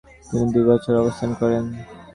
তিনি দুই বছর অবস্থান করেন।